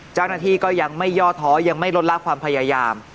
เจ้าหน้าที่ก็ยังไม่ย่อท้อยังไม่ลดลากความพยายาม